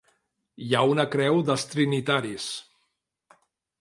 Hi ha una creu dels trinitaris.